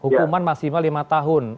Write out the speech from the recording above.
hukuman masimal lima tahun